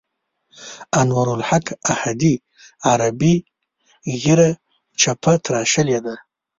انوارالحق احدي عربي ږیره چپه تراشلې ده.